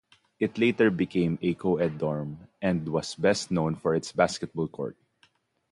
It later became a co-ed dorm and was best known for its basketball court.